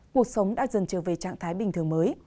cuộc sống đã dần trở về trạng thái bình thường mới